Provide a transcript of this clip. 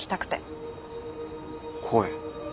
声。